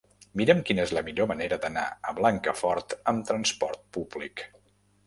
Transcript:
Mira'm quina és la millor manera d'anar a Blancafort amb trasport públic.